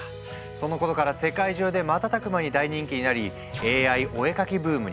そのことから世界中で瞬く間に大人気になりＡＩお絵描きブームに。